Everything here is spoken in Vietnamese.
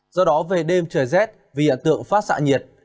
do đó về đêm trời rét vì hiện tượng phát xạ nhiệt